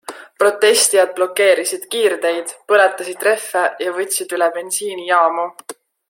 Protestijad blokeerisid kiirteid, põletasid rehve ja võtsid üle bensiinijaamu.